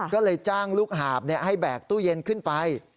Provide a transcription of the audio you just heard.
ก็เลยจ้างลูกหาบให้แบกตู้เย็นขึ้นไป